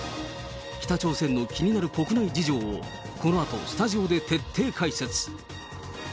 北朝鮮の気になる国内事情を、このあとスタジオで徹底解説。